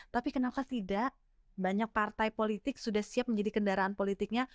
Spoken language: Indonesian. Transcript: tapi kenapa tidak banyak partai politik sudah siap menjadi kendaraan politiknya